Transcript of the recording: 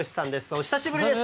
お久しぶりです。